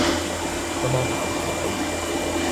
今晚打牌